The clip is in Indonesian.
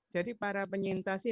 jadi para penyintas ini